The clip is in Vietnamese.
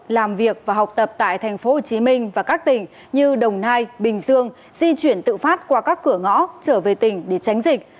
làm việc và học tập tại tp hcm và các tỉnh như đồng nai bình dương di chuyển tự phát qua các cửa ngõ trở về tỉnh để tránh dịch